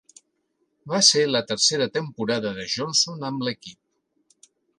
Va ser la tercera temporada de Johnson amb l'equip.